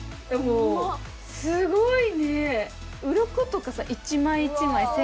すごいね。